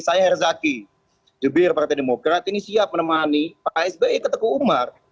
saya herzaki jubir partai demokrat ini siap menemani pak sby ke teguh umar